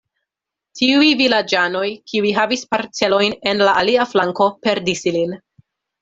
Tiuj vilaĝanoj, kiuj havis parcelojn en la alia flanko, perdis ilin.